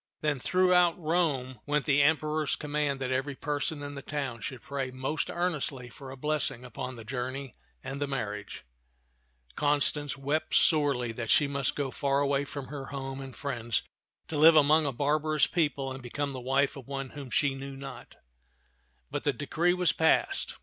Then throughout Rome went the 58 t^z (^an of aa)i?'0 tak Emperor's command that every person in the town should pray most earnestly for a blessing upon the journey and the marriage. Constance wept sorely that she must go far away from her home and friends to live among a barbarous people and become the wife of one whom she knew not; but the decree was passed.